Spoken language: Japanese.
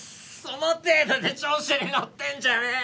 その程度で調子にのってんじゃねえ！